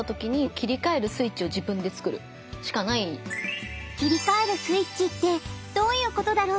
切り替えるスイッチってどういうことだろう？